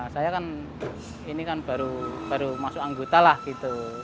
saya kan ini kan baru masuk anggota lah gitu